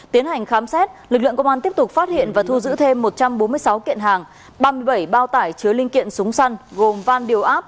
tiến hành khám xét lực lượng công an tiếp tục phát hiện và thu giữ thêm một trăm bốn mươi sáu kiện hàng ba mươi bảy bao tải chứa linh kiện súng săn gồm van điều áp